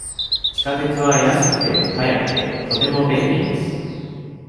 地下鉄は安くて、早くて、とても便利です。